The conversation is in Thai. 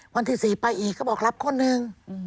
วันที่๔ไปอีกเขาบอกรับคนหนึ่ง